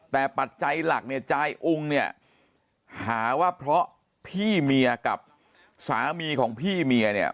แต่ปัจจัยหลักเนี่ยจายอุ้งเนี่ยหาว่าเพราะพี่เมียกับสามีของพี่เมียเนี่ย